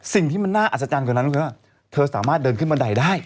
สิ่งที่มันน่าอัศจรรย์กว่านั้นคือว่าเธอสามารถเดินขึ้นบันไดได้